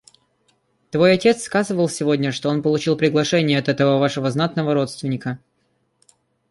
Твой отец сказывал сегодня, что он получил приглашение от этого вашего знатного родственника.